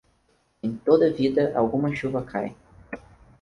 Em toda vida, alguma chuva cai.